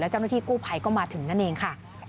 เจ้าหน้าที่กู้ภัยก็มาถึงนั่นเองค่ะ